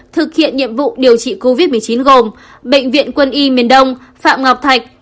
thực hiện nhiệm vụ điều trị covid một mươi chín gồm bệnh viện quân y miền đông phạm ngọc thạch